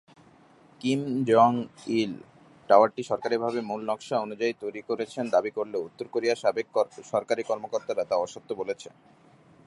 Kim Jong-il টাওয়ারটি সরকারীভাবে মূল নকশা অনুযায়ী তৈরি করেছেন দাবি করলেও উত্তর কোরিয়ার সাবেক সরকারি কর্মকর্তারা তা অসত্য বলেছে।